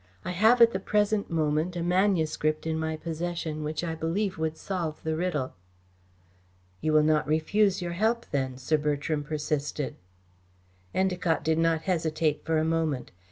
"I have at the present moment a manuscript in my possession which I believe would solve the riddle." "You will not refuse your help then," Sir Bertram persisted. Endacott did not hesitate for a moment.